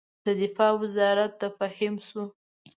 د دفاع وزارت د فهیم شو.